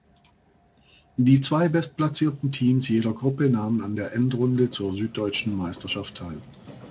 Die zwei bestplatzierten Teams jeder Gruppe nahmen an der Endrunde zur Süddeutschen Meisterschaft teil.